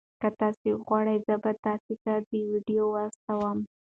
که تاسي وغواړئ زه به تاسي ته دا ویډیو واستوم.